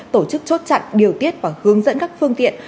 tổ chức chốt chặn điều tiết và hướng dẫn các phương tiện